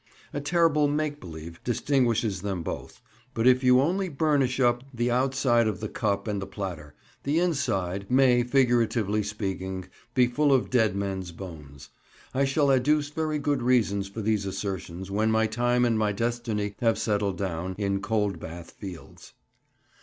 A terrible make believe distinguishes them both; but if you only burnish up the outside of the cup and the platter, the inside may, figuratively speaking, be full of dead men's bones. I shall adduce very good reasons for these assertions when time and my destiny have "settled me down" in Coldbath Fields.